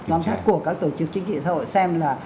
bám sát của các tổ chức chính trị xã hội xem là